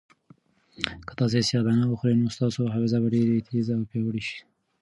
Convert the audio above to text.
که تاسي سیاه دانه وخورئ نو ستاسو حافظه به ډېره تېزه او پیاوړې شي.